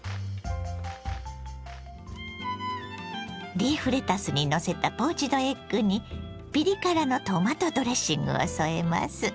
リーフレタスにのせたポーチドエッグにピリ辛のトマトドレッングを添えます。